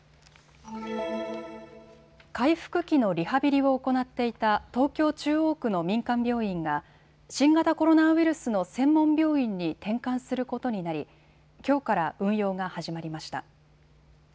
回復期のリハビリを行っていた東京中央区の民間病院が新型コロナウイルスの専門病院に転換することになりきょうから運用が始まりました。